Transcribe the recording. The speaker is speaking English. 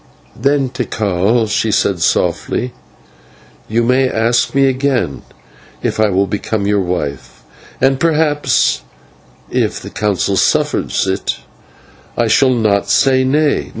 "Then, Tikal," she said softly, "you may ask me again if I will become your wife, and perhaps, if the Council suffers it, I shall not say you nay.